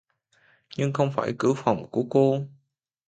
Nhưng không phải cửa phòng của cô